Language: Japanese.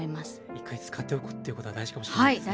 一回使っておくっていうことは大事かもしれないですね。